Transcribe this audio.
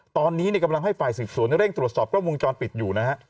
ตอนนี้เนี่ยกำลังให้ฝ่ายศิษย์ส่วนเร่งตรวจสอบก็วงจรปิดอยู่นะฮะ